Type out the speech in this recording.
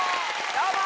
どうも！